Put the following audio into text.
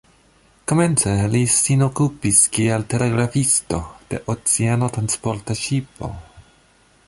Komence li sin okupis kiel telegrafisto de oceanotransporta ŝipo.